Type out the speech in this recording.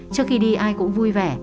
trước khi đi ai cũng vui vẻ